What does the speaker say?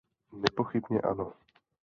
Nepochybně ano.